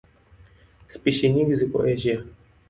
Spishi nyingi ziko Asia.